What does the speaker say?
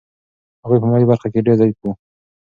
هغوی په مالي برخه کې ډېر ضعیف وو.